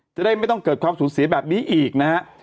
จะได้ไม่ต้องเกิดความสูญเสียแบบนี้อีกนะฮะ